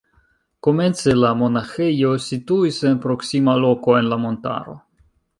Komence la monaĥejo situis en proksima loko en la montaro.